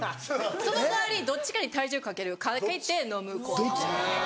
その代わりどっちかに体重かけるかけて飲むこうやって。